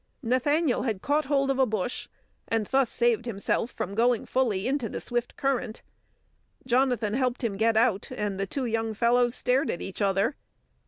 Nathaniel had caught hold of a bush, and thus saved himself from going fully into the swift current. Jonathan helped him get out, and the two young fellows stared at each other.